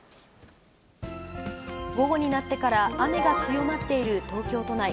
午後になってから、雨が強まっている東京都内。